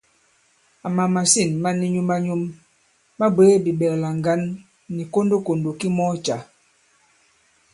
Àma màsîn ma ni nyum-a-nyum ma bwě bìɓɛ̀klà ŋgǎn nì kondokòndò ki mɔɔ cǎ.